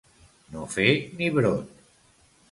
No fer ni brot.